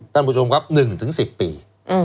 ท่านผู้ชมครับ๑๑๐ปี